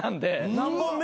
何本目？